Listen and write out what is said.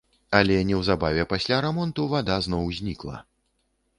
Але неўзабаве пасля рамонту вада зноў знікла.